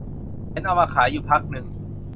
เห็นเอามาขายอยู่พักนึง